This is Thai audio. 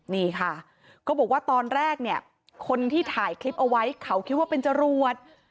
นี่ค่ะก็บอกว่าตอนแรกเนี่ยคนที่ถ่ายคลิปเอาไว้เขาคิดว่าเป็นจรวด